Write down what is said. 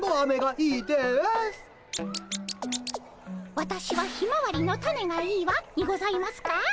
「わたしはひまわりの種がいいわ」にございますか？